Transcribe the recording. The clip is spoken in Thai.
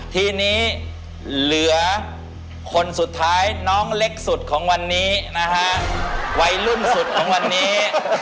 ทีนี้เหลือคนสุดท้ายน้องเล็กสุดของวันนี้นะฮะวัยรุ่นสุดของวันนี้